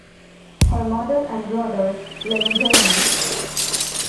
Her mother and brothers live in Germany.